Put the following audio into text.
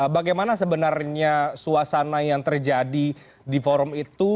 bagaimana sebenarnya suasana yang terjadi di forum itu